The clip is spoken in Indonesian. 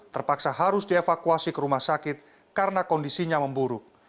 terpaksa harus dievakuasi ke rumah sakit karena kondisinya memburuk